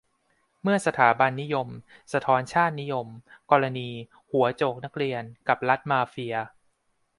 เมื่อ "สถาบันนิยม" สะท้อน "ชาตินิยม" : กรณี "หัวโจก"นักเรียน กับ "รัฐมาเฟีย"